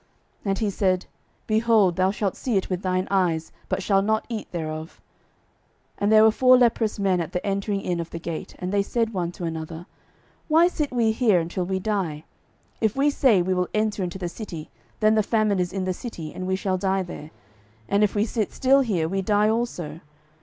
And he said, Behold, thou shalt see it with thine eyes, but shalt not eat thereof. 12:007:003 And there were four leprous men at the entering in of the gate: and they said one to another, Why sit we here until we die? 12:007:004 If we say, We will enter into the city, then the famine is in the city, and we shall die there: and if we sit still here, we die also.